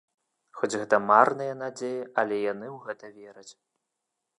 Хоць гэта марныя надзеі, але яны ў гэта вераць.